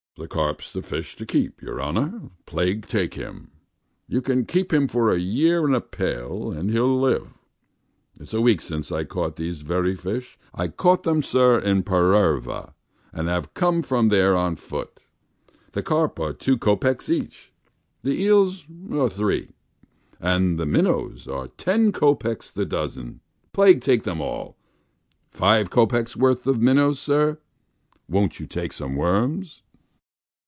The carp's the fish to keep, your honour, plague take him! You can keep him for a year in a pail and he'll live! It's a week since I caught these very fish. I caught them, sir, in Pererva, and have come from there on foot. The carp are two kopecks each, the eels are three, and the minnows are ten kopecks the dozen, plague take them! Five kopecks' worth of minnows, sir? Won't you take some worms?"